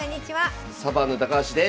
サバンナ高橋です。